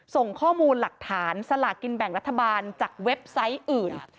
ส่งข้อมูลหลักฐานสลากินแบ่งรัฐบาลจากเว็บไซต์อื่น